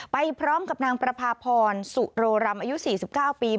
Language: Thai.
ไปพร้อมกับนางประพาพรสุโรรำอายุ๔๙ปี